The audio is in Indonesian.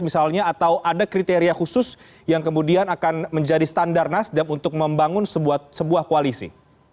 misalnya atau ada kriteria khusus yang kemudian akan menjadi standar nasdem untuk membangun sebuah koalisi